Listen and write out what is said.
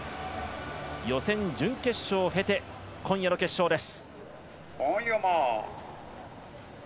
予選、準決勝を経て今夜の決勝です。